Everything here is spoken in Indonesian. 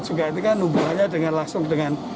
juga itu kan hubungannya dengan langsung dengan